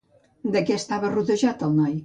De què estava rodejat el noi?